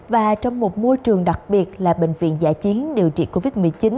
và trong một môi trường đặc biệt là bệnh viện giã chiến điều trị covid một mươi chín